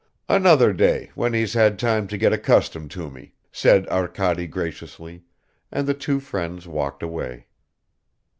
"Another day, when he's had time to get accustomed to me," said Arkady graciously, and the two friends walked away.